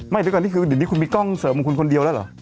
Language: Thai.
เดี๋ยวก่อนนี่คือเดี๋ยวนี้คุณมีกล้องเสริมของคุณคนเดียวแล้วเหรอ